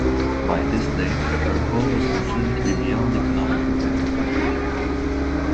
By this date her hull was considered to be beyond economic repair.